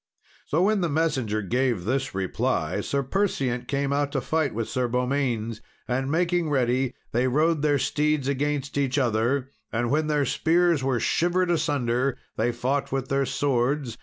So when the messenger gave this reply, Sir Perseant came out to fight with Sir Beaumains. And making ready, they rode their steeds against each other; and when their spears were shivered asunder, they fought with their swords.